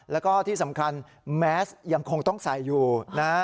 แล้วก็ที่สำคัญแมสยังคงต้องใส่อยู่นะ